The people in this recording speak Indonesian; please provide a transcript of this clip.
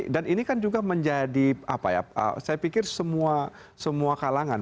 dan ini kan juga menjadi saya pikir semua kalangan